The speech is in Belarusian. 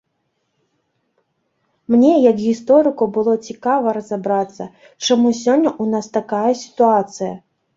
Мне, як гісторыку, было цікава разабрацца, чаму сёння ў нас такая сітуацыя.